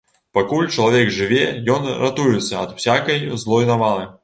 Пакуль чалавек жыве, ён ратуецца ад усякай злой навалы.